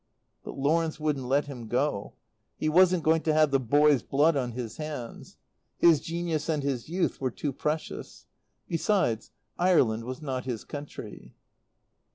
But Lawrence wouldn't let him go. He wasn't going to have the boy's blood on his hands. His genius and his youth were too precious. Besides, Ireland was not his country.